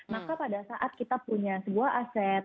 maka pada saat kita punya sebuah aset